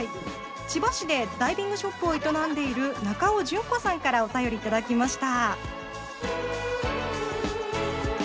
千葉市でダイビングショップを営んでいる中尾淳子さんからお便り頂きました。